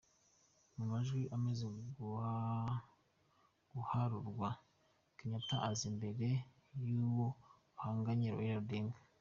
Mu majwi amaze guharurwa, Kenyatta aza imbere y'uwo bahanganye Raila Odinga.